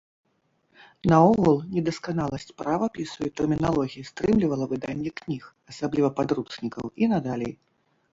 Наогул, недасканаласць правапісу і тэрміналогіі стрымлівала выданне кніг, асабліва падручнікаў, і надалей.